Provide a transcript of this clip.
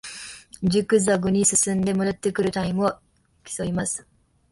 ジグザグに進んで戻ってくるタイムを競います